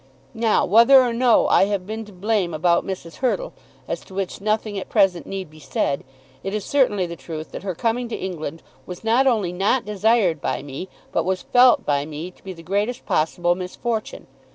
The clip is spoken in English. Now, whether or no I have been to blame about Mrs. Hurtle, as to which nothing at present need be said, it is certainly the truth that her coming to England was not only not desired by me, but was felt by me to be the greatest possible misfortune.